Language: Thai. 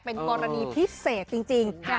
เป็นกรณีพิเศษจริง